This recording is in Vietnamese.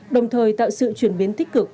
đồng thời tạo sự chuyển biến tích cực